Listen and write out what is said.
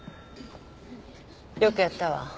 よくやったわ。